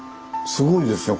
すごいですね。